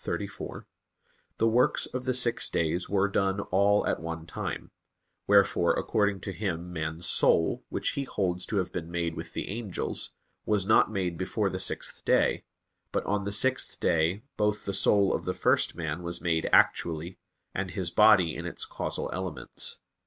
iv, 34), the works of the six days were done all at one time; wherefore according to him man's soul, which he holds to have been made with the angels, was not made before the sixth day; but on the sixth day both the soul of the first man was made actually, and his body in its causal elements.